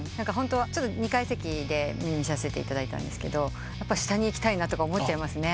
２階席で見させていただいたんですが下に行きたいなとか思っちゃいますね。